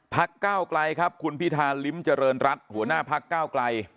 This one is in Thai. พักเก้าไกลครับคุณพิธาริมเจริญรัตน์หัวหน้าพักเก้าไกล